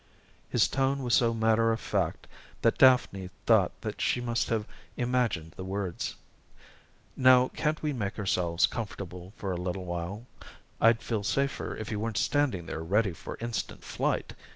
His tone was so matter of fact that Daphne thought that she must have imagined the words. "Now, can't we make ourselves comfortable for a little while? I'd feel safer if you weren't standing there ready for instant flight!